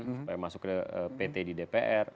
supaya masuk ke pt di dpr